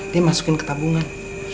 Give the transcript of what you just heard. dia masukin ke tabungan